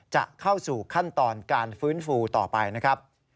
จะเข้าสู่ขั้นตอนการฟื้นฟูต่อไปนะครับ